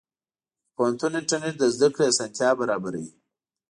د پوهنتون انټرنېټ د زده کړې اسانتیا برابروي.